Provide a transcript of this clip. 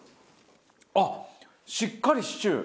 あっしっかりシチュー。